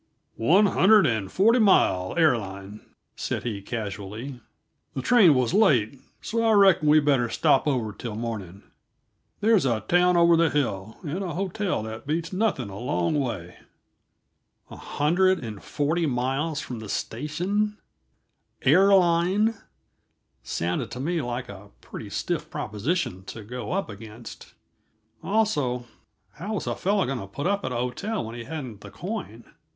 "One hundred and forty miles, air line," said he casually. "The train was late, so I reckon we better stop over till morning. There's a town over the hill, and a hotel that beats nothing a long way." A hundred and forty miles from the station, "air line," sounded to me like a pretty stiff proposition to go up against; also, how was a fellow going to put up at a hotel when he hadn't the coin?